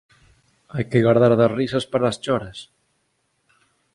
Hai que gardar das risas para as choras.